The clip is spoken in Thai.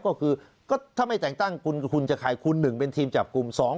คือถ้าไม่แต่งตั้งคุณจะคายคุณหนึ่งเป็นทีมจับกลุ่มสอง